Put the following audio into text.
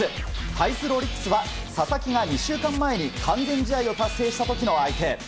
対するオリックスは佐々木が２週間前に完全試合を達成した時の相手。